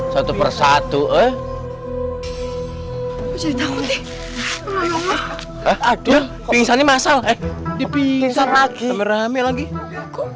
satu persatu eh jadi takut nih aduh pingsan masalah di pingsan lagi merahmi lagi kok